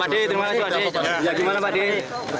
pak d terima kasih pak d